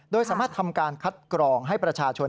โดยสามารถทำการคัดกรองให้ประชาชน